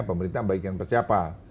pemerintah bagikan kepada siapa